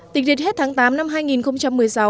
tỉnh triệt hết tháng tám năm hai nghìn một mươi sáu